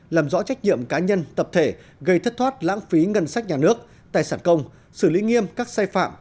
làm rõ trách nhiệm cá nhân tập thể gây thất thoát lãng phí ngân sách nhà nước tài sản công xử lý nghiêm các sai phạm